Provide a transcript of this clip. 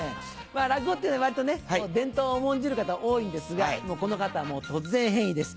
落語ってのは割とね伝統を重んじる方多いんですがこの方は突然変異です。